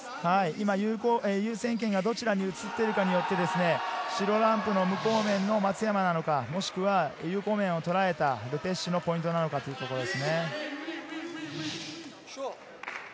今、優先権がどちらに移っているかによって、白ランプの無効面の松山なのか、有効面をとらえたル・ペシュのポイントなのかというところです。